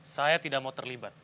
saya tidak mau terlibat